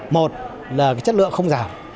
một là chất lượng không giảm